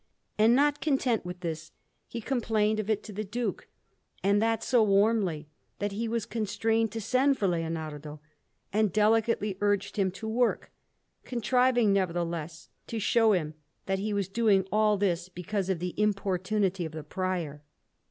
And not content with this, he complained of it to the Duke, and that so warmly, that he was constrained to send for Leonardo and delicately urged him to work, contriving nevertheless to show him that he was doing all this because of the importunity of the Prior.